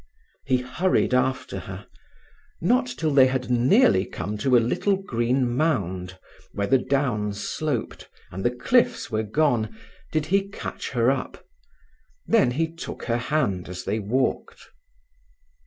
He hurried after her. Not till they had nearly come to a little green mound, where the downs sloped, and the cliffs were gone, did he catch her up. Then he took her hand as they walked.